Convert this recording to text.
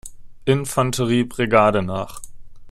Infanterie-Brigade nach.